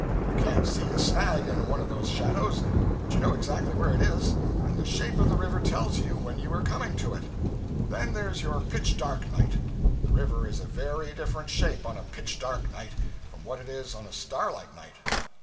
You can't see a snag in one of those shadows, but you know exactly where it is, and the shape of the river tells you when you are coming to it. Then there's your pitch dark night; the river is a very different shape on a pitch dark night from what it is on a starlight night.